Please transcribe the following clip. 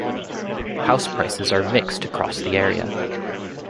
House prices are mixed across the area.